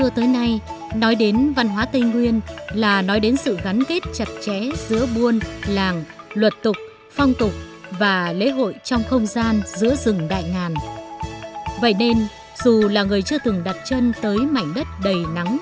tây nguyên đại ngàn